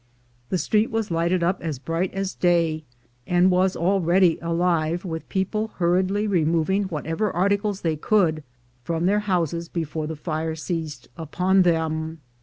The street was lighted up as bright as day, and was already alive with people hurriedly removing whatever articles they could from their houses before the fire seized upon them.